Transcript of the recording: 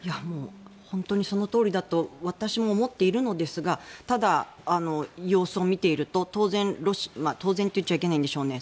本当にそのとおりだと私も思っているのですがただ、様子を見ていると当然当然と言っちゃいけないんでしょうね